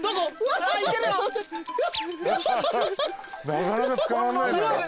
なかなか捕まんない。